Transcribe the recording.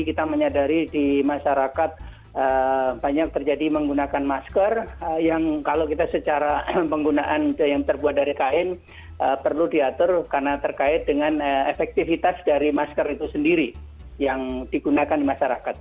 kita menyadari di masyarakat banyak terjadi menggunakan masker yang kalau kita secara penggunaan yang terbuat dari kain perlu diatur karena terkait dengan efektivitas dari masker itu sendiri yang digunakan di masyarakat